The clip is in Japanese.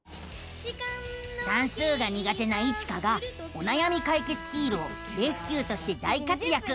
算数が苦手なイチカがおなやみかいけつヒーローレスキューとして大活やく！